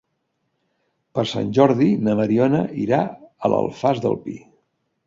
Per Sant Jordi na Mariona irà a l'Alfàs del Pi.